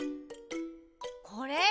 これ？